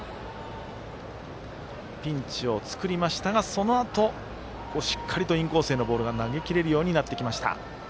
ピンチを作りましたがそのあと、インコースへのボールが投げきれるようになってきました。